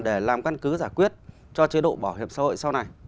để làm căn cứ giải quyết cho chế độ bảo hiểm xã hội sau này